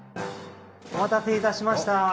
お待たせ致しました。